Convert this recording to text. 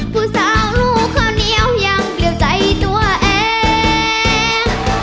ผู้สาวลูกข้าวเหนียวยังเปลี่ยวใจตัวเอง